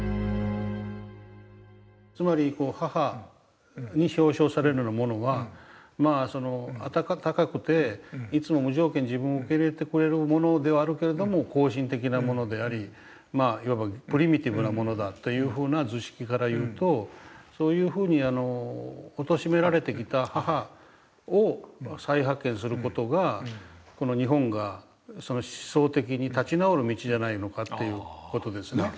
つまり母に表象されるようなものはまあそのあたたかくていつも無条件に自分を受け入れてくれるものではあるけれども後進的なものでありいわばプリミティブなものだというふうな図式からいうとそういうふうに貶められてきた母を再発見する事がこの日本が思想的に立ち直る道じゃないのかっていう事ですね。